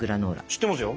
知ってますよ。